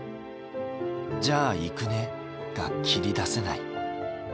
「じゃあ行くね」が切り出せない。